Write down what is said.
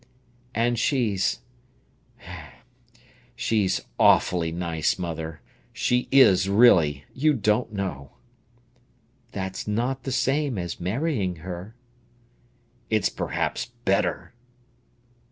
"And she's—she's awfully nice, mother; she is really! You don't know!" "That's not the same as marrying her." "It's perhaps better."